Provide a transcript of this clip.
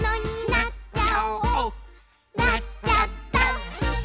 「なっちゃった！」